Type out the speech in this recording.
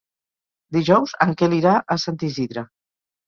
Dijous en Quel irà a Sant Isidre.